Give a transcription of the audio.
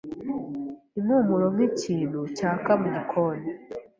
Impumuro nkikintu cyaka mugikoni.